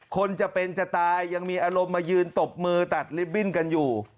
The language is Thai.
คนจะเป็นจะตายยังมีอารมณ์มายืนตบมือตัดลิฟตบิ้นกันอยู่